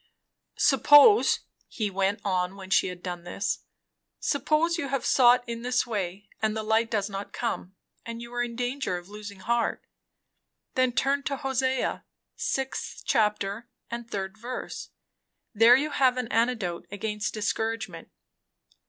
"Suppose," he went on when she had done this, "suppose you have sought in this way, and the light does not come, and you are in danger of losing heart. Then turn to Hosea, sixth chapter and third verse. There you have an antidote against discouragement.